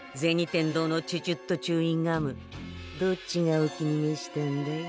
天堂のチュチュットチューインガムどっちがお気にめしたんだい？